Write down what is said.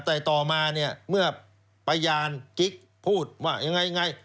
แต่ต่อมาเนี่ยเมื่อพยานกิ๊กพูดว่ายังไง